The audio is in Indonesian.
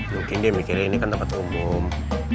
mungkin dia mikirnya ini kan tempat umum